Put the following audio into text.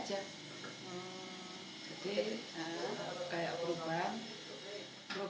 jadi kayak perubahan